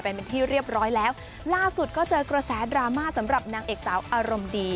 เป็นที่เรียบร้อยแล้วล่าสุดก็เจอกระแสดราม่าสำหรับนางเอกสาวอารมณ์ดี